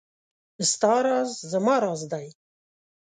ستا راز زما راز دی .